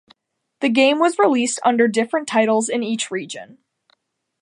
The game was released under different titles in each region.